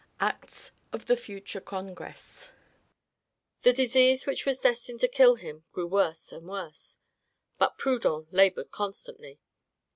Acts of the Future Congress." The disease which was destined to kill him grew worse and worse; but Proudhon labored constantly!...